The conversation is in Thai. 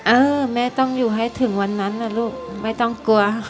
เออแม่ต้องอยู่ให้ถึงวันนั้นนะลูกไม่ต้องกลัวค่ะ